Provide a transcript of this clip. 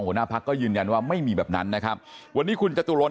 หัวหน้าพักก็ยืนยันว่าไม่มีแบบนั้นนะครับวันนี้คุณจตุรน